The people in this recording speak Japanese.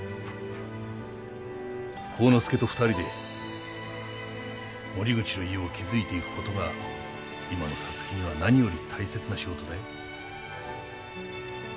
晃之助と２人で森口の家を築いていく事が今の皐月には何より大切な仕事だよ。